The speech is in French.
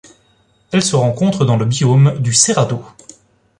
Elle se rencontre dans le biome du Cerrado.